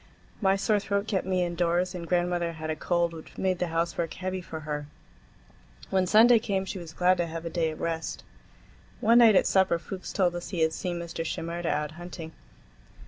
My sore throat kept me indoors, and grandmother had a cold which made the housework heavy for her. When Sunday came she was glad to have a day of rest. One night at supper Fuchs told us he had seen Mr. Shimerda out hunting.